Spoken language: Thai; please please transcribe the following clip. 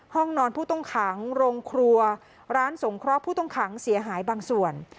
ห้องนอนผู้ต้องขังโรงครัวร้านสงเคราะห์ผู้ต้องขังเสียหายบางส่วน